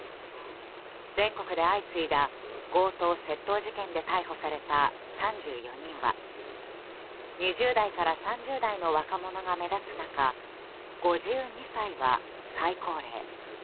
全国で相次いだ強盗・窃盗事件で逮捕された３４人は２０代から３０代の若者が目立つ中５２歳は最高齢。